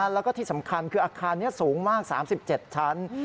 แล้วก็ที่สำคัญคืออาคารนี้สูงมาก๓๗ชั้น